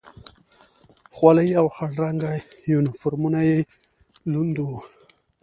خولۍ او خړ رنګه یونیفورمونه یې لوند و.